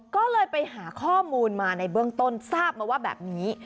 ก็เลยไปหาข้อมูลมาในเบื้องต้นทราบมาว่าแบบนี้